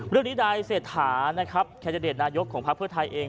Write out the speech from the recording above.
เรื่องนี้ได้เสร็จฐานแค่เจ้าเดชนายกของภาคเพื่อไทยเอง